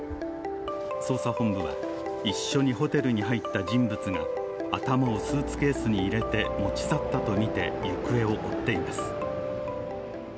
捜査本部は、一緒にホテルに入った人物が頭をスーツケースに入れて持ち去ったとみて行方を追っています。